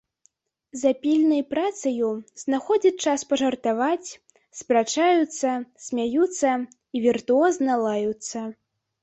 За пільнай працаю знаходзяць час пажартаваць, спрачаюцца, смяюцца і віртуозна лаюцца.